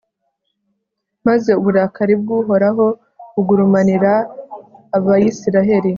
maze uburakari bw'uhoraho bugurumanira abayisraheli